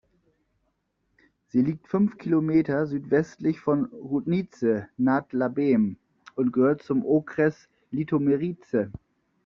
Sie liegt fünf Kilometer südwestlich von Roudnice nad Labem und gehört zum Okres Litoměřice.